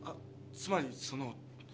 つまりその。